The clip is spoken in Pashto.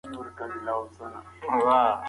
د «العِبر» اثر د نورو کتابونو په نسبت پراخ دی.